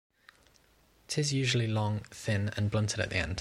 It is usually long, thin, and blunted at the end.